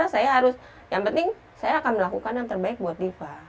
saya harus yang penting saya akan melakukan yang terbaik buat diva